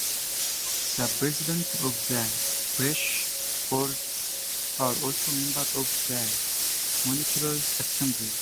The presidents of the parish boards are also members of the municipal assembly.